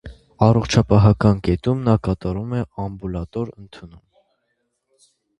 Առողջապահական կետում նա կատարում է ամբուլատոր ընդունում։